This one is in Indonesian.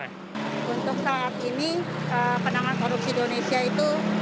untuk saat ini penanganan korupsi di indonesia itu